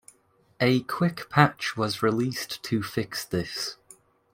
A quick patch was released to fix this.